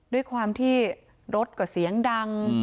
ด้วยความที่รถก็เสียงดัง